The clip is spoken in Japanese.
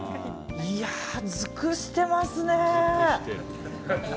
いやー、尽くしてますね。